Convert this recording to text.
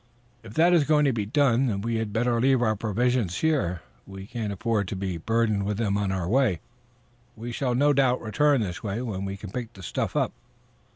"If that is going to be done we had better leave our provisions here. We can't afford to be burdened with them on our way back. We shall no doubt return this way, when we can pick the stuff up.